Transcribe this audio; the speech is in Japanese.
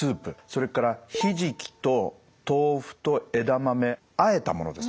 それからひじきと豆腐と枝豆あえたものですね。